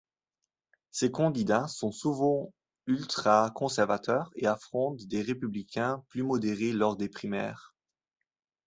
Ses candidats sont souvent ultra-conservateurs et affrontent des républicains plus modérés lors des primaires.